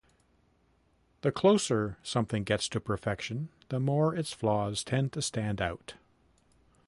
The closer something gets to perfection, the more its flaws tend to stand out.